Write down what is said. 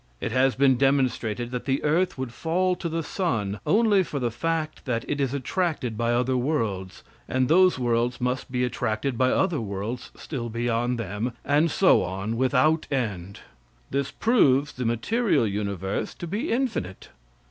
It has been demonstrated that the earth would fall to the sun, only for the fact that it is attracted by other worlds, and those worlds must be attracted by other worlds still beyond them, and so on, without end. This proves the material universe to be infinite.